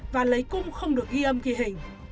và lấy cung không được ghi âm ghi hình